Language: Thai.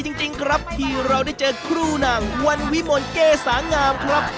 โชคดีจริงครับที่เราได้เจอครูนางวันวิมนต์เกสางามครับ